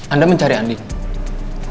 anda mencari andin